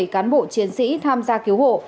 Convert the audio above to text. ba mươi bảy cán bộ chiến sĩ tham gia cứu hộ